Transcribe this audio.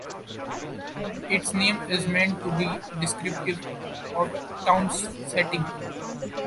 Its name is meant to be descriptive of the town's setting.